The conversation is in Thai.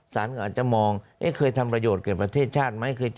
ศาลก็อาจจะมองเอ๊ะควรทำประโยชน์เเกรดประเทศชาติมั้ย